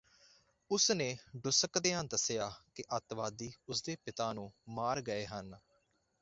ਉਸ ਨੇ ਡੁਸਕਦਿਆਂ ਦੱਸਿਆ ਕਿ ਅੱਤਵਾਦੀ ਉਹਦੇ ਪਿਤਾ ਨੂੰ ਮਾਰ ਗਏ ਹਨ